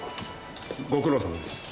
ご苦労さまです。